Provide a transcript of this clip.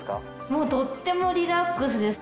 もうとってもリラックスです。